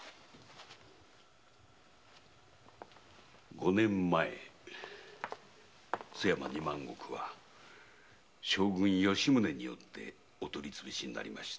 五年前津山二万石は将軍・吉宗によってお取り潰しになりました。